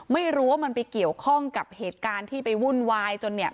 ไม่รู้ว่ามันไปเกี่ยวข้องกับเหตุการณ์ที่ไปวุ่นวายจนเนี่ย